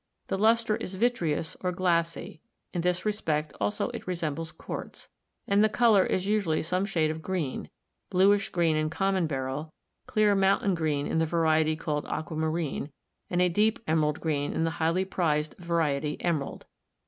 The luster is vitreous or glassy — in this respect also it resembles quartz — and the color is usually some shade of green : bluish green in common beryl, clear moun tain green in the variety called aquamarine, and a deep emerald green in the highly prized variety emerald.